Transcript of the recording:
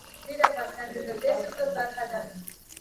غزني د افغانستان د انرژۍ سکتور برخه ده.